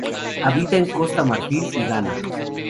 Habita en Costa de Marfil y Ghana.